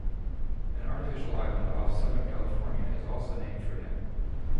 An artificial island off Southern California is also named for him.